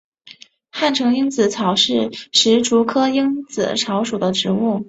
汉城蝇子草是石竹科蝇子草属的植物。